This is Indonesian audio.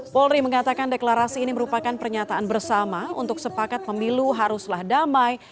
polri mengatakan deklarasi ini merupakan pernyataan bersama untuk sepakat pemilu haruslah damai